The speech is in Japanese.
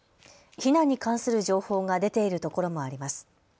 避難に関する情報が出ているところもあります。